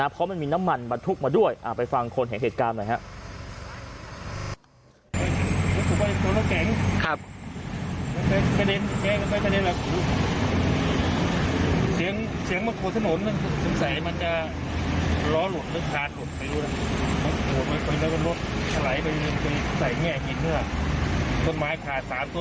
เพราะมันมีน้ำมันบรรทุกมาด้วยไปฟังคนเห็นเหตุการณ์หน่อยครับ